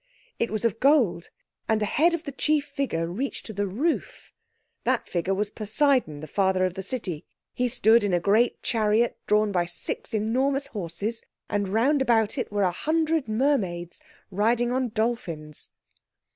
It was of gold, and the head of the chief figure reached to the roof. That figure was Poseidon, the Father of the City. He stood in a great chariot drawn by six enormous horses, and round about it were a hundred mermaids riding on dolphins.